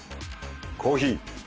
コーヒー。